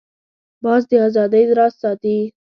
باز د آزادۍ راز ساتي